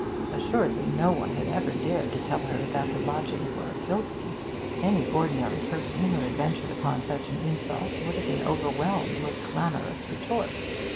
Assuredly no one had ever dared to tell her that her lodgings were 'filthy' any ordinary person who had ventured upon such an insult would have been overwhelmed with clamorous retort.